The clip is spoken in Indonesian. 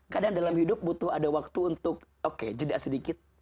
kadang dalam hidup butuh ada waktu untuk oke jeda sedikit